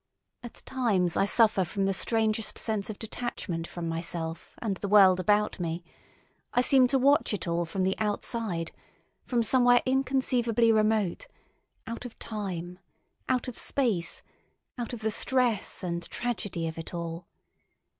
At times I suffer from the strangest sense of detachment from myself and the world about me; I seem to watch it all from the outside, from somewhere inconceivably remote, out of time, out of space, out of the stress and tragedy of it all.